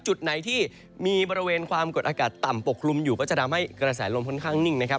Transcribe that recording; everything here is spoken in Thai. จุดไหนที่มีบริเวณความกดอากาศต่ำปกคลุมอยู่ก็จะทำให้กระแสลมค่อนข้างนิ่งนะครับ